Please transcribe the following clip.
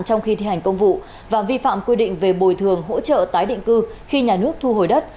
trong khi thi hành công vụ và vi phạm quy định về bồi thường hỗ trợ tái định cư khi nhà nước thu hồi đất